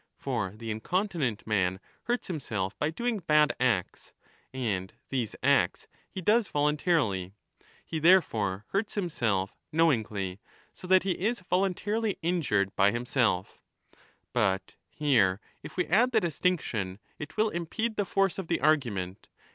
For the incontinent man hurts himself by doing bad acts, and these acts he does voluntarily ; he therefore hurts himself knowingly, so that he is voluntarily injured by himself But here if we add the distinction,^ it will impede the force of the argument.